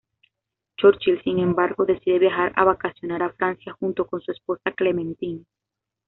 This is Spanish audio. Churchill, sin embargo, decide viajar a vacacionar a Francia junto con su esposa Clementine.